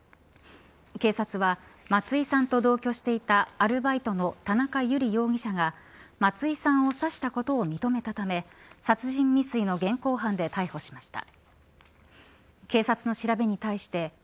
警察は松井さんと同居していたアルバイトの田中友理容疑者が松井さんを刺したことを認めたため、殺人未遂の現行犯で逮捕しました。